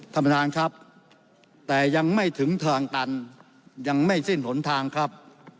ท่านประธานครับแต่ยังไม่ถึงทางตันยังไม่สิ้นหนทางครับ